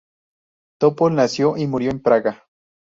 Topol nació y murió en Praga.